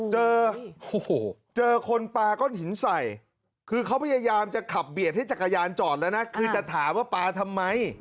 เจอเจอคนปลาก้อนหินใส่คือเขาพยายามจะขับเบียดให้จักรยานจอดแล้วนะคือจะถามว่าปลาทำไม